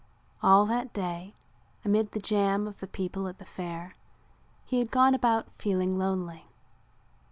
All that day, amid the jam of people at the Fair, he had gone about feeling lonely.